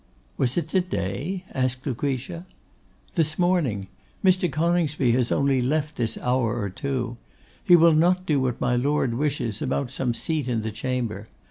'Was it to day?' asked Lucretia. 'This morning. Mr. Coningsby has only left this hour or two. He will not do what my Lord wishes, about some seat in the Chamber.